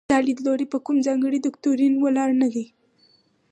دا لیدلوری په کوم ځانګړي دوکتورین ولاړ نه دی.